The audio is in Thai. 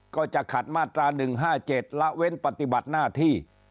ก็จะขัดมาตรา๑๕๗ละเว้นปฏิบัติหน้าที่